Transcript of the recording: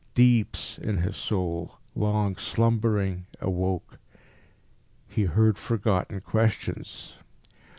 Deeps in his soul, long slumbering, awoke. He heard forgotten questions.